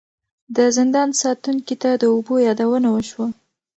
د زندان ساتونکي ته د اوبو یادونه وشوه.